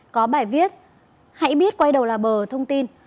có bài viết hãy biết quay đầu là bờ thông tin